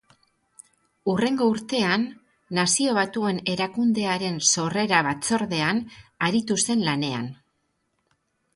Hurrengo urtean, Nazio Batuen erakundearen sorrera-batzordean aritu zen lanean.